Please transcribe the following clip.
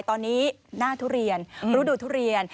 ตอนนี้หน้าทุเรียนฤดูทุเรียน